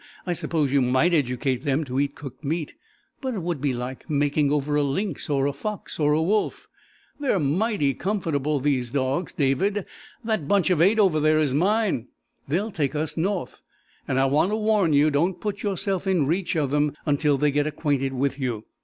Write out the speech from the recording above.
I suppose you might educate them to eat cooked meat, but it would be like making over a lynx or a fox or a wolf. They're mighty comfortable, those dogs, David. That bunch of eight over there is mine. They'll take us north. And I want to warn you, don't put yourself in reach of them until they get acquainted with you.